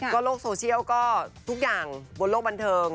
ก็โลกโซเชียลก็ทุกอย่างบนโลกบันเทิง